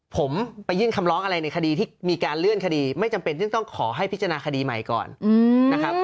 ผมไปยื่นคำร้องอะไรในคดีที่มีการเลื่อนคดีไม่จำเป็นที่ต้องขอให้พิจารณาคดีใหม่ก่อนนะครับ